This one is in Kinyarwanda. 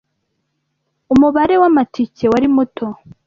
Umubare wamatike wari muto.